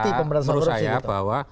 artinya apa menurut saya bahwa